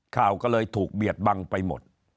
ข่าวก็เลยถูกเบียดบังไปหมด